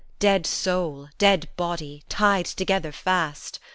Dead soul, dead body, tied together fast.